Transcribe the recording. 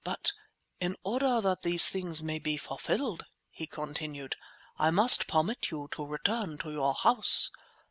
But— "In order that these things may be fulfilled," he continued, "I must permit you to return to your house.